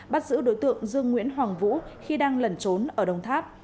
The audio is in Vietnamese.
bắt giữ đối tượng dương nguyễn hoàng vũ khi đang lẩn trốn ở đồng tháp